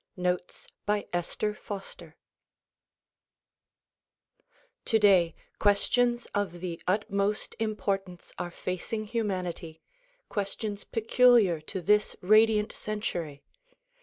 Notes by Esther Foster TODAY, questions of the utmost importance are facing humanity; questions peculiar to this radiant century.